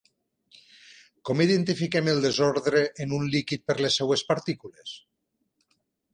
Com identifiquem el desordre en un líquid per les seves partícules?